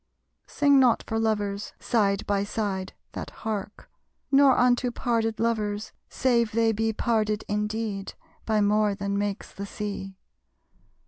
Sing not for lovers, side by side that hark; Nor unto parted lovers, save they be Parted indeed by more than makes the Sea.